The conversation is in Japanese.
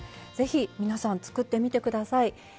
是非皆さん作ってみて下さい。